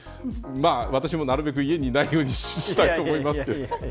私もなるべく家にいないようにしたいと思いますけど。